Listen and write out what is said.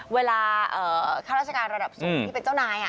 ข้าราชการระดับสูงที่เป็นเจ้านาย